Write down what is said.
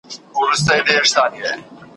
چي وژلی یې د بل لپاره قام وي ,